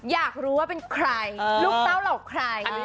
อยากรู้ว่าเป็นใครลูกเต้าเหล่าใคร